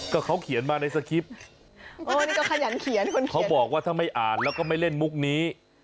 ก็เขาเขียนมาในสกริปเขาบอกว่าถ้าไม่อ่านแล้วก็ไม่เล่นมุกนี้